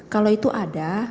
kalau itu ada